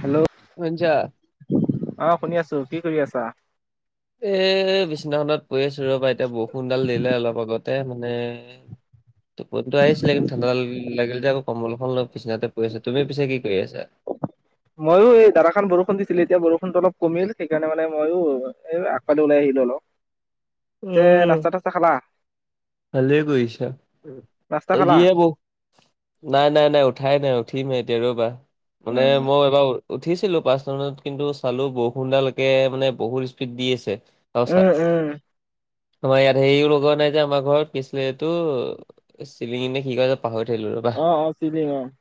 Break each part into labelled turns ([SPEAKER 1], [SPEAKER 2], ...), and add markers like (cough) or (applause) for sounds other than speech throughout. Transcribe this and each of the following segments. [SPEAKER 1] Hello.
[SPEAKER 2] শুন্ছা?
[SPEAKER 1] অঁ শুনি আছো, কি কৰি আছা?
[SPEAKER 2] এ বিচনাখনত পৰি আছো ৰ'বা এতিয়া বৰষুণডাল দিলে অলপ আগতে মানে টোপোনিটো আহিছিলে কিন্তু ঠাণ্ডা লা লাগিল যে আকৌ কম্বল এখন লই বিছনাতে পৰি আছো। তুমি পিছে কি কৰি আছা?
[SPEAKER 1] ময়ো এই দাৰাখান বৰষুণ দিছিল এতিয়া বৰষুণতো অলপ কমিল সেইকাৰণে মানে ময়ো এই আগফালে ওলাই আহিলো অলপ। তে নাস্তা-তাস্তা খালা?
[SPEAKER 2] ভালে কৰিছা
[SPEAKER 1] নাস্তা
[SPEAKER 2] এ
[SPEAKER 1] খালা?
[SPEAKER 2] যিহে বৰ নাই নাই নাই উঠাই নাই উঠিমহে এতিয়া ৰবা, মানে
[SPEAKER 1] উম
[SPEAKER 2] মই এইবাৰ উঠিছিলো পাঁচটামানত কিন্তু চালো বৰষুণডাল একে মানে বহুত স্পীড দি আছে।
[SPEAKER 1] উম
[SPEAKER 2] (unintelligible)
[SPEAKER 1] উম
[SPEAKER 2] আমাৰ ইয়াত হেৰিও লগোৱা নাই যে আমাৰ ঘৰত কি আছিলে এইটো চিলিঙ নে কি কয় যে পাহৰি থাকিলো ৰ'বা।
[SPEAKER 1] অ অ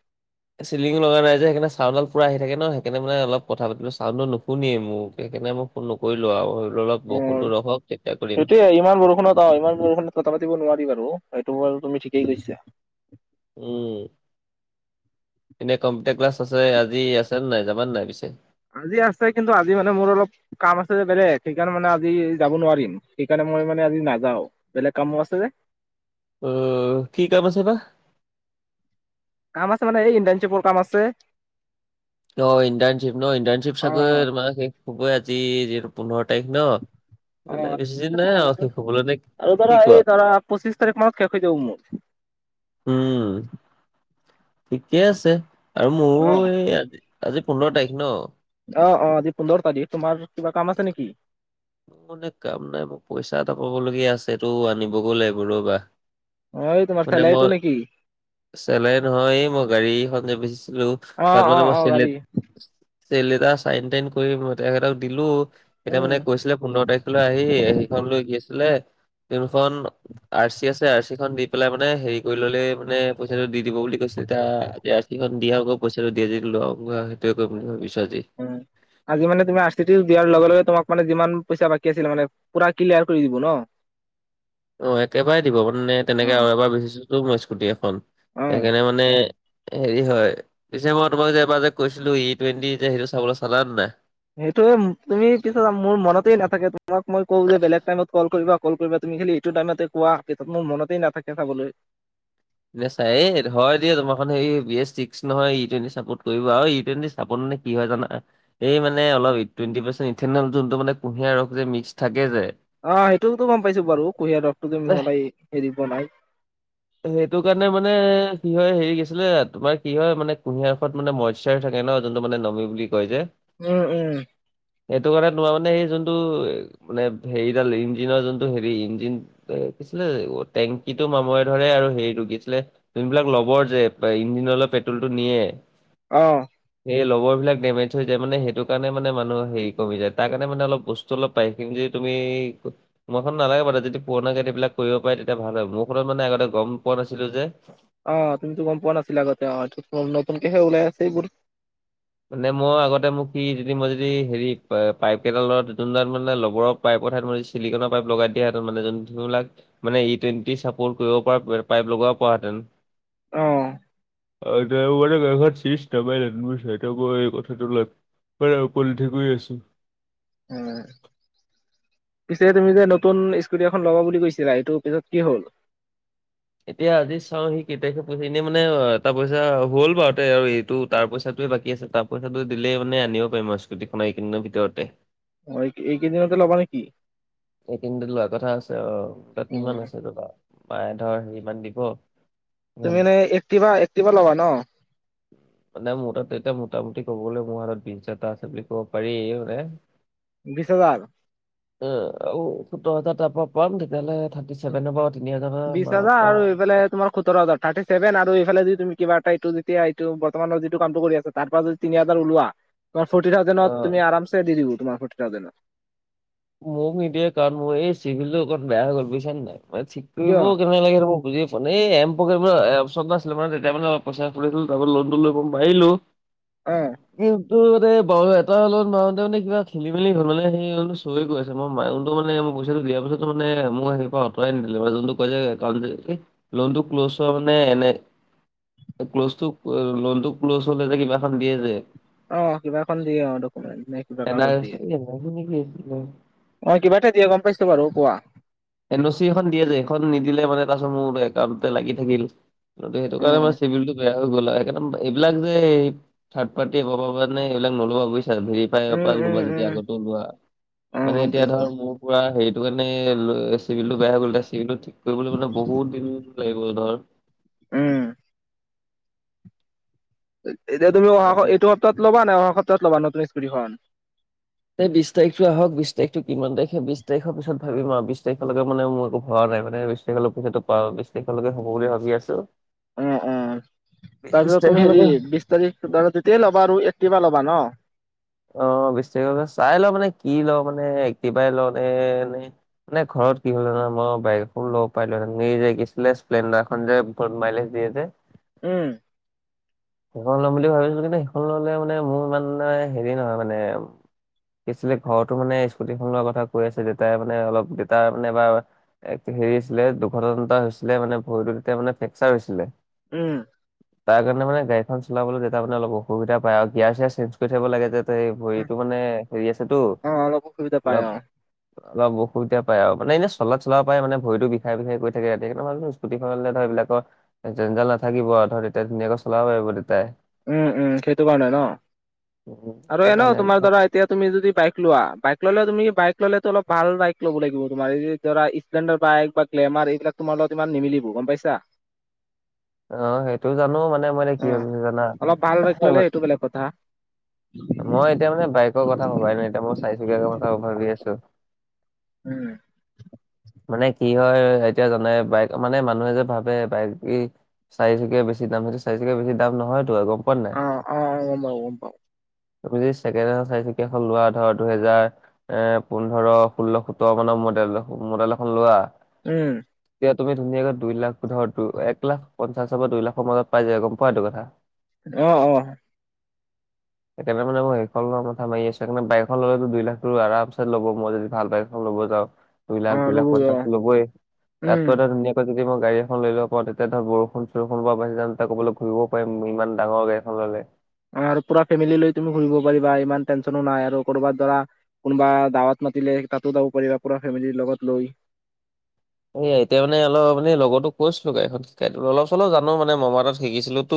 [SPEAKER 1] (inaudible)
[SPEAKER 2] চিলিঙো লগা নাই যে সেইকানে চাউণ্ড ডাল পুৰা আহি থাকে ন সেইকানে মানে অলপ কথা পাতিলো চাউন্ডটো নুশুনিয়েই মোক সেইকানে মোক নকৰিলো আও আৰু ধৰি অলপ বৰষুণটো ৰখক তেতিয়া কৰিম।
[SPEAKER 1] তে ইমান বৰষুণত অ ইমান বৰষুণত কথা পাতিব নোৱাৰি বাৰু। সেইটো বাৰু তুমি ঠিকেই কৈছা।
[SPEAKER 2] উম এনে কম্পিউটাৰ ক্লাছ আছে, আজি আছে নাই? যাবানে নাই পিছে?
[SPEAKER 1] আজি আছে কিন্তু আজি মানে মোৰ অলপ কাম আছে যে বেলেগ সেইকাৰণে মানে আজি যাব নোৱাৰিম। সেইকাৰণে মই মানে আজি নাযাও। বেলেগ কামো আছে যে।
[SPEAKER 2] অ কি কাম আছে বা?
[SPEAKER 1] কাম আছে মানে এই ইন্টাৰ্নচিপৰ কাম আছে।
[SPEAKER 2] অ ইণ্টাৰ্ণশ্বিপ ন ইণ্টাৰ্ণশ্বিপ
[SPEAKER 1] অ অ
[SPEAKER 2] চাগৈ তোমাৰ শেষ হবই আজি যিহেটো পোন্ধৰ তাৰিখ ন?
[SPEAKER 1] অ আৰু
[SPEAKER 2] এইবিলাক বেছি দিন
[SPEAKER 1] আছে
[SPEAKER 2] নাই
[SPEAKER 1] তোমাৰ আৰু
[SPEAKER 2] শেষ হ'বলৈ নে
[SPEAKER 1] আৰু
[SPEAKER 2] কি
[SPEAKER 1] ধৰা
[SPEAKER 2] কোৱা
[SPEAKER 1] এই ধৰা পঁচিশ তাৰিখ মানত শেষ হৈ যাব মোৰ।
[SPEAKER 2] উম। ঠিকে আছে আৰু মোৰো এই আজি আজি পোন্ধৰ তাৰিখ ন?
[SPEAKER 1] অ অ আজি পোন্ধৰ তাৰিখ, তোমাৰ কিবা কাম আছে নেকি?
[SPEAKER 2] মানে কাম নাই মোৰ পইচা এটা পাবলগীয়া আছে এইটো আনিবগৈ লাগিব ৰ'বা।
[SPEAKER 1] অ এই তোমাৰ
[SPEAKER 2] মানে মই
[SPEAKER 1] চালাইটো নেকি?
[SPEAKER 2] চেলাই নহয় এই মই গাড়ীখন যে বেচিছিলো
[SPEAKER 1] অ
[SPEAKER 2] তাত
[SPEAKER 1] অ
[SPEAKER 2] মানে মই
[SPEAKER 1] অ
[SPEAKER 2] চলে
[SPEAKER 1] গাড়ী
[SPEAKER 2] চিল এটা চাইন টাইন কৰিই তেখেতক দিলো এতিয়া
[SPEAKER 1] উম
[SPEAKER 2] মানে গৈছিলে পোন্ধৰ তাৰিখলৈ আহি সেইখন লৈ গৈছিলে ট্ৰেইনখন আৰ চি আছে আৰ চি খন দি পেলাই মানে হেৰি কৰি ললেই মানে পইচাটো দি দিব বুলি কৈছিলে এতিয়া আজি সেইখন দিয়া আগত পইচাটো দিয়া যদি ল সেইয়ে কম বুলি ভাৱিছো আজি।
[SPEAKER 1] আজি মানে তুমি আৰু চি দিয়াৰ লগে লগে তোমাক মানে যিমান পইচা বাকী আছিলে মানে পুৰা ক্লিয়াৰ কৰি দিব ন?
[SPEAKER 2] অঁ একেবাৰে দিব মানে তেনেকে আৰু এবাৰ বিচিছোতো মই স্কুটি এখন
[SPEAKER 1] অ
[SPEAKER 2] সেইকাৰণে মানে হেৰি হয় পিছে মই তোমাক যে এবাৰ যে কৈছিলো ই টুৱেণ্টি যে সেইটো চাবলৈ চালানে নাই?
[SPEAKER 1] সেইটোয়ে তুমি পিছত মোৰ মনতে নাথাকে তোমাক মই কওঁ যে বেলেগ টাইমত কল কৰিবা কল কৰিবা তুমি খালি এইটো টাইমতে কোৱাত মোৰ মনতেই নাথাকে চাবলৈ।
[SPEAKER 2] নেচাই হয় দিয়া তোমাৰখন হ বি এছ ছিক্স নহয় ই টুৱেণ্টি চাপোৰ্ট কৰিব আৰু ই টুৱেণ্টি আকৌ তাৰ মানে কি হয় জানা। এই মানে অলপ টুৱেণ্টি পাৰ্চেণ্ট ইথেনল যোনটো মানে কুঁহিয়াৰ ৰস যে মিক্স থাকে যে,
[SPEAKER 1] অ সেইটোতো গম পাইছো বাৰু কুঁহিয়াৰ ৰখতো যে
[SPEAKER 2] এহ,
[SPEAKER 1] মিহলাই হেৰি বনাই
[SPEAKER 2] সেইটো কাৰণে মানে কি হয় হেৰি গৈছিলে তোমাৰ কি হয় মানে কুঁহিয়াখোৱাত মানে মই থাকে ন যোনটো মানে নমি বুলি কয় যে
[SPEAKER 1] উমঁ-উমঁ।
[SPEAKER 2] এইটো কাৰণে তোমাৰ মানে সেই যোনটো- মানে হেৰিডাল ইঞ্জিনৰ যোনটো হেৰি ইঞ্জিন এ' কি আছিলে টেংকিটো মাময়- ধৰে আৰু হেৰি কি আছিলে যোন বিলাক লবৰ যে ইঞ্জিন পেট্ৰলটো নিয়ে
[SPEAKER 1] অঁ
[SPEAKER 2] সেই লগৰ বিলাক ডেমেজ হৈ যায় মে সেইটো কাৰণে মানে মানুহ হেৰি কমি য়ায তাৰ কাৰণে মানে অলপ বস্ত অলপ পাই কিন্তু যে তুমি মোৰখন নালাগে বাৰু যদি পুৰণা বিলাক কৰিব পাৰে তেতিয়া ভাল হয় মোৰখনত মানে আগতে গম পোৱা নাছিলো যে-
[SPEAKER 1] অ তুমিতো গম পোৱা নাছিলা আগতে অ নতুনকেহে ওলাই আছে এইবোৰ
[SPEAKER 2] মানে মই আগতে মোক স যদি মই যদি হেৰি পাইপ কেইডালত নতুন দাল মানে লবৰ পাইপৰ ঠাইত চিলিকনৰ পাইপ লগাই দিয়াটো মানে যোনবিলাক- মানে ই টুৱেনটি চাপৰ কৰিব পাৰা পাইপ লগাব পৰা হেতেন।
[SPEAKER 1] অঁ।
[SPEAKER 2] (unintelligible) আকৌ এই কথাটো (unintelligible) আছো।
[SPEAKER 1] উম। পিছে তুমি যে নতুন স্কুটি এখন ল'ব বুলি কৈছিলা এইটো পিছত কি হ'ল?
[SPEAKER 2] এতিয়া আজি চাও সি কেতিয়াকে পাইহি এনেই মানে এটা পইচা হ'ল বাৰু দে। আৰু এইটো- তাৰ পইচাটোৱে বাকী আছে তাৰ পইচাটো দিলেই মানে আনিব পাৰিম আৰু স্কুটীখন এইকেইদিনৰ ভিতৰতে।
[SPEAKER 1] অ', এইকেইদিনতে ল'বা নেকি?
[SPEAKER 2] এই কেইদিনতে লোৱা কথা আছে আৰু। তা'ত কিমান
[SPEAKER 1] উম
[SPEAKER 2] আছে পাৰে ধৰ ইমান দিব। ইমান
[SPEAKER 1] তুমি এই এক্টিভা-এক্টিভা লবা ন?
[SPEAKER 2] মানে মোৰ তা'ত এতিয়া মোটামুটি ক'বলে মোৰ হাত'ত বিশ হাজাৰ এটা আছে বুলি ক'ব পাৰি মানে।
[SPEAKER 1] বিশছ হাজাৰ?
[SPEAKER 2] অঁহ। আৰু সোত্তৰ হাজাৰ তাৰ পৰা পাম তেতিয়া হ'লে থাৰ্টি চেভেনত-
[SPEAKER 1] বিশ হাজাৰ আৰু এইফালে তোমাৰ সোত্তৰ হাজাৰ। থাৰ্টি চেভেন আৰু এইফালে যদি তুমি কিবা এটা এইটো যেতিয়া এইটো বৰ্তমানৰ যিটো কামটো কৰি আছা তাৰ পৰা যদি তিনি হাজাৰ ওলোৱা- তোমাৰ ফৰ্টি থাউজেন্ড
[SPEAKER 2] অ
[SPEAKER 1] তুমি আমাৰ'চে দি দিব তোমাৰ ফৰ্টি থাউজেন্ড।
[SPEAKER 2] মোক নিদিয়ে কাৰণ মোৰ এই চিভিলতো অকণ বেয়া হৈ গ'ল বুজিছা নে নাই। মই ঠিক
[SPEAKER 1] কিয়
[SPEAKER 2] কৰিবও- লাগে মুই বুজিয়ে পোৱা নাই। এই এম্ পকেটত আছিলে মানে তেতিয়া মানে অলপ পইচা লৈছিলো- তাৰপিছত লোনটো লৈ মাৰি মাৰিলো।
[SPEAKER 1] অ
[SPEAKER 2] কিন্তু মানে বাৰ এটাৰত মাৰোতে মানে কিবা খেলি-মেলি হ'ল। মানে সেই অনুমান- (unintelligible) চলি গৈ আছে। মই মাইনটো মানে মই পইচাটো দিয়া পিছতো মানে মই সেইয়া পৰা আঁতৰাই নিদিলে। যোনটো কৈ যে একাউণ্ট কি লোনটো ক্ল'জ হোৱা মানে এনেই ক্ল'জটো লোনতটো ক্ল'জ হ'লে যে কিবাখন দিয়ে যে!
[SPEAKER 1] অঁহ', কিবা এখন দিয়ে অঁহ', ডকুমেন্ট নে কিবা
[SPEAKER 2] এন আৰ
[SPEAKER 1] কাগজ দিয়ে।
[SPEAKER 2] চি নেকি
[SPEAKER 1] অ', কিবা এটা দিয়ে গম পাইছ বাৰু। কোৱা?
[SPEAKER 2] এন অ' চি এখন দিয়ে যে সেইখন নিদিলে মানে তাৰপিছত মোৰ একাউণ্ট লাগি থাকিল। ত' সেইটো কাৰণে
[SPEAKER 1] উম,
[SPEAKER 2] আমাৰ চিভিলটো বেয়া। গ'ল। একদম এইবিলাক যে এই থাৰ্ড পাৰ্টি পাব কাৰণে এইবিলাক নল'বা বুজিছা। হেৰি পায়
[SPEAKER 1] উম,
[SPEAKER 2] বা
[SPEAKER 1] উম,
[SPEAKER 2] লবা যেতিয়া
[SPEAKER 1] উম,
[SPEAKER 2] আগতেও লোৱা।
[SPEAKER 1] অ',
[SPEAKER 2] মানে
[SPEAKER 1] গম
[SPEAKER 2] এতিয়া
[SPEAKER 1] পাইছো
[SPEAKER 2] ধৰ মোৰ পুৰা হেৰিটো কাৰনে চিভিল টো বেয়া হৈ গ'ল। এ' চিভিল টো ঠিক কৰিবলৈ হলে বহুত দিন লাগিব, ধৰ
[SPEAKER 1] উম। এতিয়া তুমি অহা এই সপ্তাহত ল'বা নে অহা সপ্তাহত ল'বা নতুন স্কুটীখন?
[SPEAKER 2] এই বিশ তাৰিখটো আহক বিশ তাৰিখটো কিমান তাৰিখে বিশ তাৰিখৰ পিছত ভাবিম আৰু বিশ তাৰিখলৈকে মানে মোৰ একো ভাবা নাই মানে। সেইফালৰ পইচাটো পাওঁ, বিশ তাৰিখলৈকে হ'ব বুলি ভাবি আছো।
[SPEAKER 1] উম-উম।
[SPEAKER 2] বিশ
[SPEAKER 1] তাৰপিছত তুমি হেৰি
[SPEAKER 2] তাৰিখলৈকে
[SPEAKER 1] বিশ তাৰিখ তেতিয়াই ল'বা আৰু এক্টিভা ল'বা ন?
[SPEAKER 2] অ বিশ তাৰিখ পাছত চাই লও মানে কি লও মানে একটিভাই লওনে- মানে ঘৰত কি হ'ল জানা মই বাইক এখন ল'ব পাৰিলোহেতেন সেই যে কি আছিলে স্প্লেণ্ডাৰ এখন যে কত (unintelligible) মাইলেজ দিয়ছে।
[SPEAKER 1] উম।
[SPEAKER 2] সেইখন ল'ম বুলি ভাবিছিলো কিন্তু সেইখন ললে মানে মোৰ ইমানটা হেৰি নহয় মানে। কি আছিলে ঘৰতো মানে স্কুটিখন লোৱাৰ কথা কৈ আছে। দেউতাই মানে অলপ দেউতাৰ মানে এবাৰ এক হেৰি আছিলে দুৰ্ঘটনাটা হৈছিলে মানে ভৰিটো তেতিয়া মানে ফ্ৰেকচাৰ হৈছিলে।
[SPEAKER 1] উম।
[SPEAKER 2] তাৰ কাৰণে মানে গাড়ী সেইখন চলাবলৈ তেতিয়া মানে অলপ অসুবিধা পায় আৰু, গিয়াৰ-চিয়াৰ চেঞ্জ কৰি থাকিব লাগে যে তেই
[SPEAKER 1] উম,
[SPEAKER 2] ভৰিতো মানে হেৰি আছেতো।
[SPEAKER 1] অ', অলপ অসুবিধা পায়
[SPEAKER 2] অলপ
[SPEAKER 1] অ।
[SPEAKER 2] অলপ অসুবিধা পায় আৰু মানে এনেই চলাত-চলাব পাৰে মানে ভৰি বিষাই-বিষাই গৈ থাকে সেইকাৰণে ভাবিছো স্কুটীখন ধৰ এইবিলাকৰ জঞ্জাল নাথাকিব আৰু ধৰ তেতিয়া ধুনীয়াকে চলাব পাৰিব দেতাই।
[SPEAKER 1] উমঁ-উমঁ সেইটো কাৰণে ন।
[SPEAKER 2] উম
[SPEAKER 1] আৰু
[SPEAKER 2] সেইটো
[SPEAKER 1] এনেইও
[SPEAKER 2] কাৰণে
[SPEAKER 1] তোমাৰ ধৰা এতিয়া তুমি যদি বাইক লোৱা বাইক ল'লে তুমি বাইক ললেতো অলপ ভাল বাইক ল'ব লাগিব তোমাৰ এই যে ধৰা স্প্লেণ্ডাৰ বাইক বা গ্লেমাৰ এইবিলাক তোমাৰ লগত ইমান নিমিলিব গম পাইছা।
[SPEAKER 2] অ সেইটো জানো মানে মই এ কি
[SPEAKER 1] অ',
[SPEAKER 2] ভাবিছো জানা?
[SPEAKER 1] অলপ ভাল বাইক ল'লে সেইটো বেলেগ কথা।
[SPEAKER 2] মই এতিয়া মানে বাইকৰ কথা ভবাই ন এতিয়া মই চাৰিচুকীয়াক কথা ভাবি আছো।
[SPEAKER 1] উম।
[SPEAKER 2] মানে কি হয় এতিয়া জানে বাইক মানে মানুহে যে ভাবে বাইক কি চাৰিচুকীয়া বেছি দাম সেইটো চাৰিচকীয়া বেছি দাম নহয়তো আৰু গম পোৱা নাই।
[SPEAKER 1] অ', অ', অ, গম পাওঁ, গম পাওঁ।
[SPEAKER 2] তুমি যদি ছেকেণ্ডহেণ্ড চাৰি চকীয়াখন লোৱা ধৰ দুহেজাৰ এ পোন্ধৰ, ষোল্ল, সোতৰ মানৰ মডেল-মডেল এখন লোৱা৷
[SPEAKER 1] উম।
[SPEAKER 2] এতিয়া তুমি ধুনীয়াকৈ দুই লাখ ধৰ এক লাখ পঞ্চাছৰ পৰা দুই লাখৰ মত পাই যায় গম পোৱা এইটো কথা।
[SPEAKER 1] অ-অ।
[SPEAKER 2] সেইকাৰণে মানে মই সেইখনৰ লোৱা কথা মাৰি আছো বাইকখন ল'লে দুই লাখ টো আৰাম চ ল'ব মই য ভাল বাইক ল'ব যাও দুই লাখ
[SPEAKER 1] অ',
[SPEAKER 2] দুই লাখ
[SPEAKER 1] ল'বই
[SPEAKER 2] পঞ্চাছটো
[SPEAKER 1] অ',
[SPEAKER 2] ল'বই
[SPEAKER 1] উম।
[SPEAKER 2] তাতকৈ ধৰ ধুনীয়াকৈ যদি মই গাড়ী এখন লৈ লব পাওঁ তেতিয়া ধৰ বৰ খন চোৰখনৰ পৰা পাইি যানতে ক'বলৈ (unintelligible) ঘূৰিব পাৰিম ইমান ডাঙৰ গাড়ীখন ল'লে।
[SPEAKER 1] অ পুৰা ফেমিলি লৈ তুমি ঘুৰিব পাৰিবা ইমান টেনচনো নাই আৰু কৰ'বাত ধৰা কোনোবা দাঁৱত মাতিলে তাতো যাব পাৰিবা পুৰা ফেমিলি লগত লৈ।
[SPEAKER 2] এয়া এতিয়া মানে অলপ মান লগতো কৈছিলো গাড়ীখন শিকাই অলপ চলপ জানো মানে মমাহ তাত শিকিছিলো তো।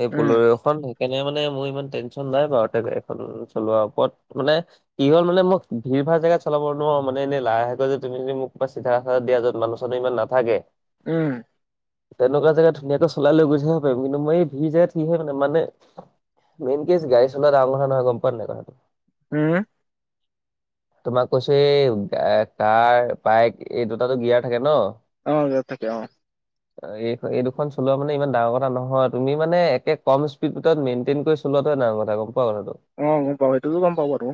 [SPEAKER 2] সেই বলেৰৌ
[SPEAKER 1] উম,
[SPEAKER 2] এখন সেইকাৰনে মানে মোৰ ইমান টেনশ্যন নাই বাৰু এখন চলোৱাৰ ওপৰত মানে। কি হ'ল মানে মোক ভিৰ ভাৰ জেগাত চলাব নোৱাৰো মানে এনেই লাহে গৈ যে তুমি যে মোৰ কিবা চিধা ৰাস্তাত দিয়া যত মানুহ চানো ইমান নাথাকে।
[SPEAKER 1] উম।
[SPEAKER 2] তেনেকুৱা জেগা ধুনাকৈ চলাই লৈ গৈ থাকিব পাৰিম কিন্তু মই এই ভিৰ জেগাত কি হয় মানে মানে। মেইন কেজ গাড়ী চলোৱা ডাঙৰ কথা নহয় গম পোৱা নাই কথাটো
[SPEAKER 1] উম।
[SPEAKER 2] তোমাক কৈছো এ কাৰ বাইক। এই দুটাটো গিয়াৰ থাকে ন।
[SPEAKER 1] অ গিয়াৰ থাকে অ।
[SPEAKER 2] এই এই দুখন চলোৱা মানে ইমান ডাঙৰ কথা নহয় তুমি মানে একে কম স্পীড মেইনটেইন কৰি। চলোৱাটোহে ডাঙৰ কথা গম পোৱা কথাটো।
[SPEAKER 1] অ গম পাওঁ সেইটোতো গম পাওঁ বাৰু।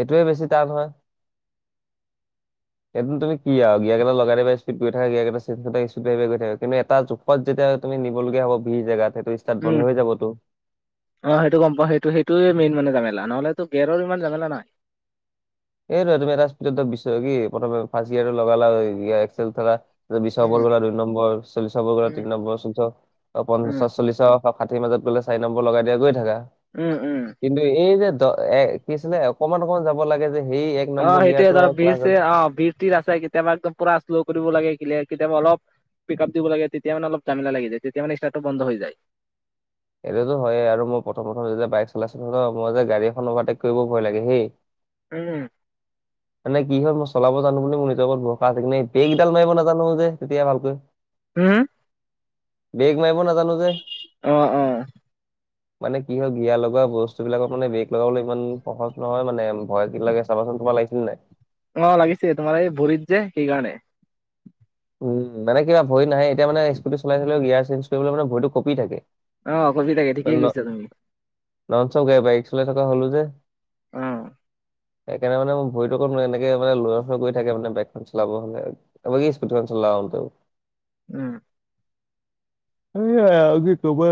[SPEAKER 2] এইটোৱে বেছি টান হয়। এদিন তুমি কি আও গিয়াৰ কেইটা লগাই দিবা ইস্পড গৈ থাকে গিয়াৰ কেইটা চেঞ্জ হৈ থাকে ইস্পিত বাঢ়ি বাঢ়ি গৈ থাকে কিন্তু এটা জোখ যাত যেতিয়া তুমি নিবলগীয়া হ'ব ভিৰ জেগাত সেইটো ষ্টাৰ্ট
[SPEAKER 1] উম,
[SPEAKER 2] বন্ধ হৈ যাবতো।
[SPEAKER 1] অ সেইটো গম পাওঁ সেইটোৱেই মেইন মানে জামেলা নহলেটো গেৰ ইমান জামেলা নাই।
[SPEAKER 2] এইটোৱে তুমি এটা স্পডত বিছ কি প্ৰথম ফাৰ্ষ্ট গেৰত লগালা এক্সেল ধৰা বিশ ও
[SPEAKER 1] উম,
[SPEAKER 2] গ'ল দুইম্বৰ চল্লিশ ওপৰ গলে
[SPEAKER 1] উম,
[SPEAKER 2] তিনি নম্বৰ চৈধ্যশ
[SPEAKER 1] উম,
[SPEAKER 2] পঞ্চা চল্লিশ বা ষাঠি মাজত গলে চাৰিম্বৰ লগাই দিয়া গৈ থাকা
[SPEAKER 1] উম উম।
[SPEAKER 2] কিন্তু এই যে দ এ কি আছিলে অকমান অকমান যাব লাগে যে। সেই এক
[SPEAKER 1] অ
[SPEAKER 2] নম্বৰ গিয়াৰটো
[SPEAKER 1] সেইটোৱে ধৰা
[SPEAKER 2] আৰু
[SPEAKER 1] বিছে
[SPEAKER 2] ক্লাছত
[SPEAKER 1] অ বিছ। ত্ৰিশ আছে কেতিয়াবা একদম পুৰা শ্ল' কৰিব লাগে কিলিয়াৰ কেতিয়াবা অলপ। পিক আপ দিব লাগে তেতিয়া মান অলপ জেমেলা লাগি যায় তেতিয়া মানে ষ্টাৰ্টটো বন্ধ হৈ যায়।
[SPEAKER 2] এইটোতো হয়ে আৰু মই প্ৰথম প্ৰথম যেতিয়া বাইক চলাইছো ন মই যে গড় এখন অভাৰটেক কৰিবও ভয় লাগে সেই।
[SPEAKER 1] উম।
[SPEAKER 2] মানে কি হয় মই চলাব জানো বুলি মোৰ নিজৰ ওপৰত ভৰষা আছে কিন্তু এই বেক কেইডাল মাৰিব নাজানো যে তেতিয়া ভালকৈ
[SPEAKER 1] উম
[SPEAKER 2] ব্ৰেক মাৰিব নাজানো যে
[SPEAKER 1] অহ অহ
[SPEAKER 2] মানে কি হয় গিয়াৰ লগোৱা বস্তু বিলাকৰ মানে ব্ৰেক লগাবলৈ ইমান সহজ নহয় মানে ভয় কি লাগে চাবাচোন তোমাৰ লাগি ছিল নাই?
[SPEAKER 1] অহ লাগিছে তোমাৰ এই ভৰিত যে সেইকাৰণে
[SPEAKER 2] উম মানে কিবা ভয় নাহে এতিয়া মানে স্কুটি চলাই থাকিলেও গিয়াৰ চেঞ্জ কৰিবলৈ মানে ভৰিটো কপি থাকে
[SPEAKER 1] অহ কঁপি ঠিকেই কৰিছা তুমি
[SPEAKER 2] ননচ গাড়ী বাইক চলাই থকা হলো যে
[SPEAKER 1] অহ
[SPEAKER 2] সেইকাৰণে মানে মোৰ ভৰিতো এনেকে মানে লৰ চৰ কৈ থাকে মানে বাইকখন চলাব হলে বাকী স্কুটি খনৰ চলাও তেওঁ
[SPEAKER 1] উম
[SPEAKER 2] হে আও কি কবা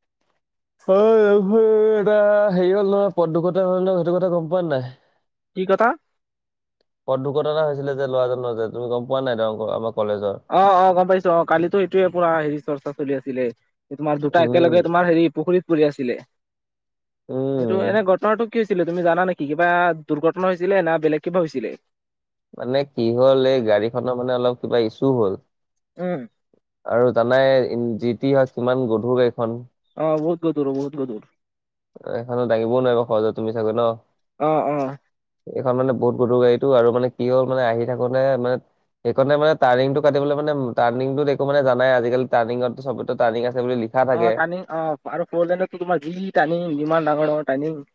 [SPEAKER 1] (inaudible)
[SPEAKER 2] সেয়া এইফালে এটা হেৰি হ'ল নহয় পথ দুৰ্ঘটনা হল ন সেইটো কথা গম পোৱা নে নাই?
[SPEAKER 1] কি কথা
[SPEAKER 2] পথ দুৰ্ঘটনা এটা হৈছিলে যে লৰাজনৰ যে তুমি গম পোৱা নাই তেওঁৰ আমাৰ কলেজৰ
[SPEAKER 1] অহ অহ গম পাইছো অহ কালিতো সেইটোৱে পোৰা হেৰি চৰ্চা চলি আছিলে তোমাৰ দুটা
[SPEAKER 2] উম
[SPEAKER 1] একেলগে তোমাৰ হেৰি পুখুৰীত পৰি আছিলে সেইটো
[SPEAKER 2] উম
[SPEAKER 1] এনে ঘটনাটো কি হৈছিলে তুমি জানা নেকি? কিবা দুৰ্ঘটনা হৈছিলে না বেলেগ কিবা হৈছিলে?
[SPEAKER 2] মানে কি হ'ল এই গাড়ীখনৰ মানে অলপ কিবা ইছু হ'ল।
[SPEAKER 1] উম।
[SPEAKER 2] আৰু জানাই যি টি হয় কিমান গধুৰ গাড়ীখন।
[SPEAKER 1] অহ বহুত গধুৰ বহুত গধুৰ।
[SPEAKER 2] এখন হাতে দাঙিবও নোৱাৰিব সহজতে তুমি চাগৈ ন?
[SPEAKER 1] অ অ
[SPEAKER 2] এইখন মানে বহুত গধুৰ গাড়ীটো আৰু মানে কি হ'ল মানে আহি থাকোতে মানে সেইখনে মানে টাৰ্ণিঙটো কাটিবলে মানে টাৰ্ণিঙটোত একো মানে জানাই আজিকালি টাৰ্ণিঙত চবতে টাৰ্ণিং আছে বুলি লি
[SPEAKER 1] অহ টাণিং অহ আৰু ফৰ লেন্দতটো তোমাৰ যি টাৰ্ণিং যিমান ডাঙৰ ডাঙৰ টাৰ্ণিং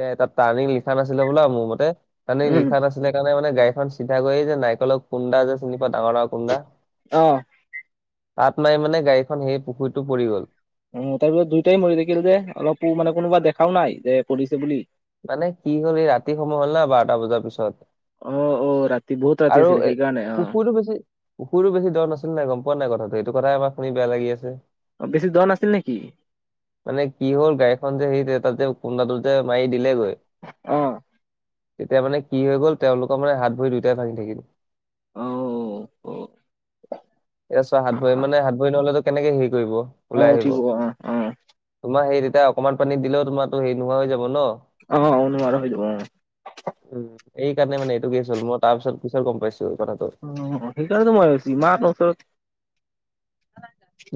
[SPEAKER 2] এ তাত টাৰ্ণিং লিখা নাছিলে বোলা মোৰ মতে টাৰ্ণিং
[SPEAKER 1] উম
[SPEAKER 2] লিখা নাছিল ছিলে সেইকাৰণে মানে গাড়ীখন চিধা গৈয়ে এই যে নাৰিকলৰ কুন্দা যে চিনি পোৱা ডাঙৰ ডাঙৰ কুন্দা?
[SPEAKER 1] অহ।
[SPEAKER 2] তাত মাৰি মানে গাড়ীখন সেই পুখুৰীটোত পৰি গ'ল।
[SPEAKER 1] উম তাৰপিছত দুইটায়ে মৰি থাকিল যে অলপো মানে কোনোবা দেখাও নাই যে পৰিছে বুলি?
[SPEAKER 2] মানে কি হ'ল এই ৰাতি সময় হ'ল না বাৰটা বজাৰ পিছত
[SPEAKER 1] অ', অ', ৰাতি বহুত ৰাতি
[SPEAKER 2] আৰু
[SPEAKER 1] আছিলে
[SPEAKER 2] এ
[SPEAKER 1] সেইকাৰণে অ',
[SPEAKER 2] পুখুৰীতো বেছি পুখুৰীতো বেছি দ' নাছিল নাই গম পোৱা নাই কথাটো এইটো কথাই আমাৰ শুনি বেয়া লাগি আছে।
[SPEAKER 1] অ বেছি দ' নাছিল নেকি?
[SPEAKER 2] মানে কি হ'ল গাড়ীখন যে সেই তাত যে কুন্দাটোত যে মাৰি দিলে গৈ
[SPEAKER 1] অ'।
[SPEAKER 2] তেতিয়া মানে কি হৈ গ'ল, তেওঁলোকৰ মানে হাত ভৰি দুইটাই ভাঙি থাকিলে।
[SPEAKER 1] অও অ।
[SPEAKER 2] এতিয়া চোৱা হাত ভৰি মানে হাত ভৰি নহলেতো কেনেকে হেৰী কৰিব
[SPEAKER 1] অ',
[SPEAKER 2] ওলাই আহিব?
[SPEAKER 1] উঠিব অ', অ',
[SPEAKER 2] তোমাৰ সেই তেতিয়া অকমান পানীত দিলেও তোমাৰটো সেই নোহোৱা হৈ যাব ন?
[SPEAKER 1] অহ নোৱাৰা হৈ যাব অহ।
[SPEAKER 2] উম এই কাৰণে মানে এইটো কেচ হ'ল মই তাৰ পিছত পিছত গম পাইছোঁ কথাটো।
[SPEAKER 1] অহ সেইকাৰণেতো মই ভাবিছোঁ ইমান ওচৰত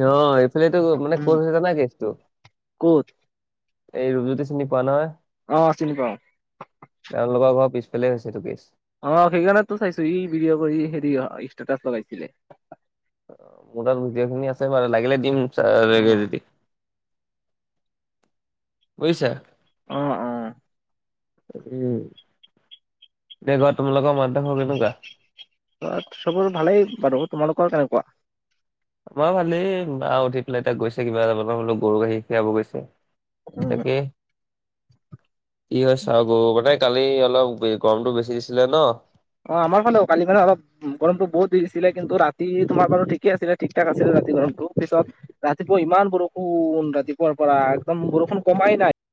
[SPEAKER 2] অহ এইফালেটো মানে
[SPEAKER 1] উম।
[SPEAKER 2] ক'ত হৈছে জানা কেচটো?
[SPEAKER 1] ক'ত?
[SPEAKER 2] এই ৰূপজ্যোতি চিনি পোৱা নহয়?
[SPEAKER 1] অহ চিনি পাওঁ।
[SPEAKER 2] তেওঁলোকৰ ঘৰ পিছফালে হৈছে এইটো কেচ।
[SPEAKER 1] অ সেইকাৰণে টো চাইছো ই ভিডিঅ' কৰি হেৰী ষ্টেটাচ লগাইছিলে।
[SPEAKER 2] মোৰ তাত ভিডিঅ' খিনি আছে বাৰু লাগিলে দিম চা লাগে
[SPEAKER 1] অ'।
[SPEAKER 2] যদি। বুজিছা?
[SPEAKER 1] অ অ।
[SPEAKER 2] উম, এতিয়া ঘৰত তোমালোকৰ মাটি দোখৰ কেনেকুৱা?
[SPEAKER 1] ঘৰত চবৰ ভালেই বাৰু, তোমালোকৰ কেনেকুৱা?
[SPEAKER 2] আমাৰো ভালেই, মা উঠি পেলাই এতিয়া গৈছে কিবা এটা বনাবলৈ গৰু গাখীৰ খীৰাব গৈছে।
[SPEAKER 1] উম।
[SPEAKER 2] তাকে। কি হয় চাওঁ গৰু মানে কালি অলপ গৰমটো বেছি দিছিলে ন?
[SPEAKER 1] অ আমাৰ ফালেও কালি মানে অলপ উম গৰমটো বহুত দি দিছিলে কিন্তু ৰাতি তোমাৰ বাৰু ঠিকেই আছিলে ঠিক ঠাক আছিলে ৰাতি গৰমটো পিছত ৰাতিপুৱা ইমান বৰষুণ, ৰাতিপুৱাৰ পৰা একদম বৰষুণ কমাই নাই।